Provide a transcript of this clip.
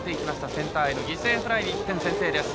センターへの犠牲フライで１点先制です。